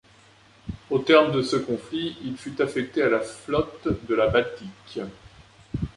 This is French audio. Au terme de ce conflit, il fut affecté à la flotte de la Baltique.